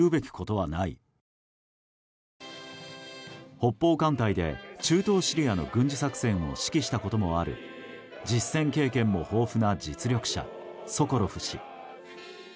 北方艦隊で中東シリアの軍事作戦を指揮したこともある実戦経験も豊富な実力者ソコロフ氏。